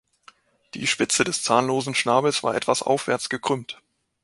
Die Spitze des zahnlosen Schnabels war etwas aufwärts gekrümmt.